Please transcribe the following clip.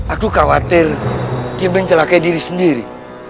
aku khawatir dia mencelakai diri sendiri